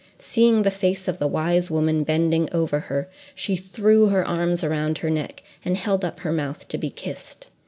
Seeing the face of the wise woman bending over her, she threw her arms around her neck and held up her mouth to be kissed.